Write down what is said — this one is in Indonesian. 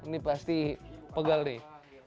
ini pasti pegal deh